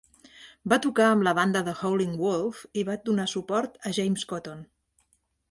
Va tocar amb la banda de Howlin' Wolf i va donar suport a James Cotton.